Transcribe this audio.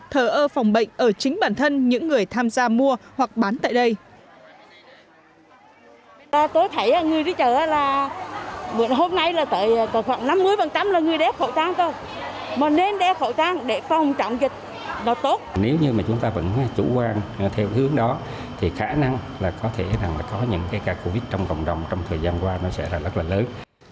thờ ơ phòng bệnh ở chính bản thân những người tham gia mua hoặc bán tại đây